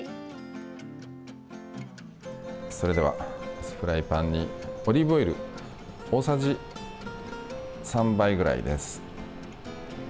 それではフライパンにオリーブオイル大さじ３杯ぐらいです。